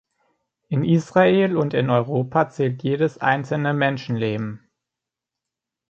In Israel und in Europa zählt jedes einzelne Menschenleben.